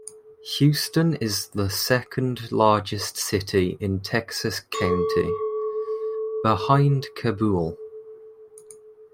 Houston is the second largest city in Texas County, behind Cabool.